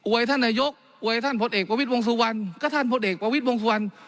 วยท่านนายกอวยท่านพลเอกประวิทย์วงสุวรรณก็ท่านพลเอกประวิทย์วงสุวรรณ